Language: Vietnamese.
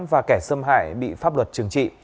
và kẻ xâm hại bị pháp luật chứng trị